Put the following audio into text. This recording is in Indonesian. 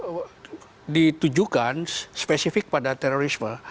itu ditujukan spesifik pada terorisme